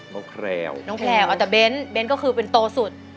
แพลวน้องแพลวเอาแต่เบ้นเบ้นก็คือเป็นโตสุด